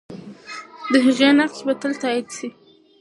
د هغې نقش به تل تایید سي.